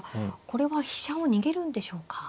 これは飛車を逃げるんでしょうか。